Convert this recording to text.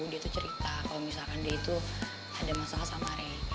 dia tuh cerita kalau misalkan dia itu ada masalah sama re